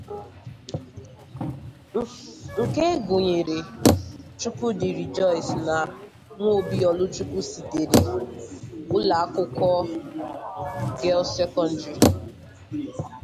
nke gụnyere Chukwudi Rejoice na Nwobi Oluchukwu sitere ụlọakwụkwọ 'Girls Secondary